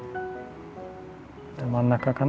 真ん中かな？